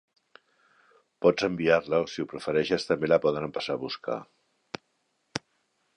Pots enviar-la o si ho prefereixes també la poden passar a buscar.